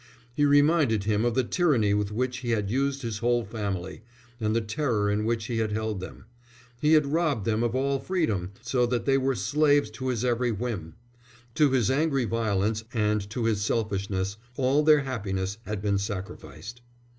He reminded him of the tyranny with which he had used his whole family, and the terror in which he had held them. He had robbed them of all freedom, so that they were slaves to his every whim. To his angry violence and to his selfishness all their happiness had been sacrificed.